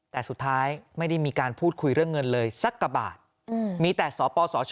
แต่สุดท้ายไม่ได้มีการพูดคุยเรื่องเงินเลยสักกว่าบาทมีแต่สปสช